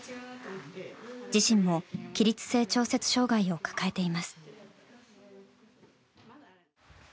自身も起立性調節障害を抱えています。